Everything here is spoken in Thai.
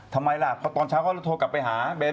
ทำไมล่ะเพราะตอนเช้าเขาจะไปโทรกลับไปหาเบ้น